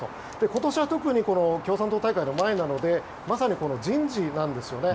今年は特に共産党大会の前なのでまさに人事なんですよね。